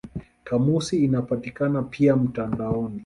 Kamusi inapatikana pia mtandaoni.